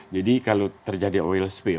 jadi kalau terjadi hal hal yang tidak terlalu baik